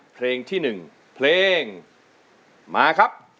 เพลงที่๑เพลงมาครับ